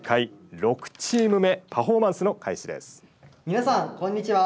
皆さんこんにちは。